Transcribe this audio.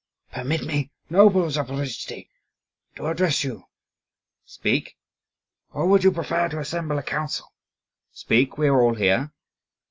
"Permit me, noble Zaporozhtzi, to address you." "Speak!" "Or would you prefer to assemble a council?" "Speak, we are all here."